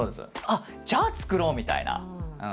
あっじゃあ作ろうみたいな。